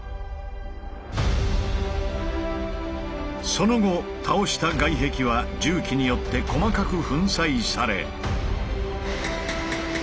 その後倒した外壁は重機によって細かく粉砕され。